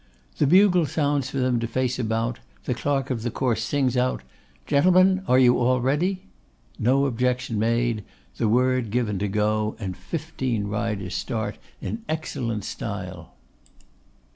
The bugle sounds for them to face about; the clerk of the course sings out, 'Gentlemen, are you all ready?' No objection made, the word given to go, and fifteen riders start in excellent style.